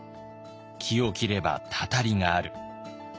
「木を切ればたたりがある」。